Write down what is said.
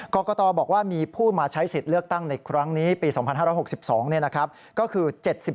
กรกตบอกว่ามีผู้มาใช้สิทธิ์เลือกตั้งในครั้งนี้ปี๒๕๖๒ก็คือ๗๒